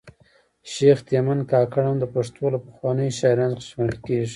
شیخ تیمن کاکړ هم د پښتو له پخوانیو شاعرانو څخه شمېرل کیږي